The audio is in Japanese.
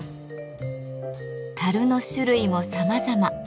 樽の種類もさまざま。